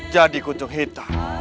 jadi kunjung hitam